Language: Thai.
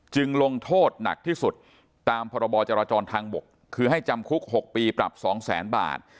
จึงลงโทษหนักที่สุดตามพจทางบกคือให้จำคุก๖ปีปรับ๒๐๐๐๐๐บาท